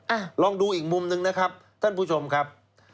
อ่ะลองดูอีกมุมหนึ่งนะครับท่านผู้ชมครับ